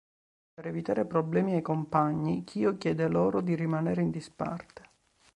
Per evitare problemi ai compagni, Kyo chiede loro di rimanere in disparte.